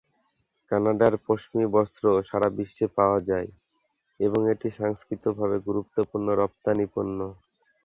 কানাডার পশমি বস্ত্র সারা বিশ্বে পাওয়া যায় এবং এটি সাংস্কৃতিকভাবে গুরুত্বপূর্ণ রপ্তানি পণ্য।